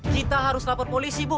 kita harus lapor polisi bu